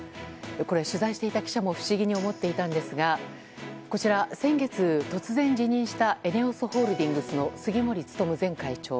これ、取材していた記者も不思議に思っていたんですがこちら先月、突然辞任したＥＮＥＯＳホールディングスの杉森務前会長。